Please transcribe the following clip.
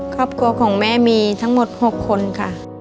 ครอบครัวของแม่มีทั้งหมด๖คนค่ะ